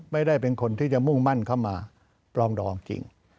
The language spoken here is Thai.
ไม่ได้เป็นคนที่จะมุ่งมั่นเข้ามาปลองดองจริง